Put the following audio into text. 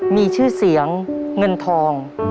มีชื่อเสียงเงินทอง